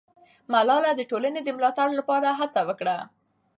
ملالۍ د ټولنې د ملاتړ لپاره هڅه وکړه.